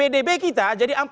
pdb kita jadi rp empat puluh